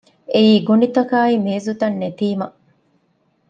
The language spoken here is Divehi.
އެއީ ގޮނޑިތަކާއި މޭޒުތައް ނެތީމަ